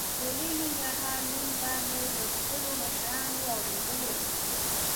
د لوی ننګرهار نوم به مو له خپلو مشرانو اورېدلی وي.